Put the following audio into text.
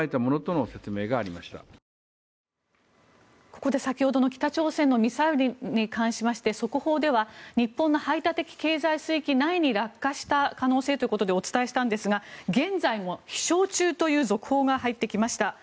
ここで先ほどの北朝鮮のミサイルに関しまして速報では日本の排他的経済水域内に落下した可能性ということでお伝えしたんですが現在も飛翔中という続報が入ってきました。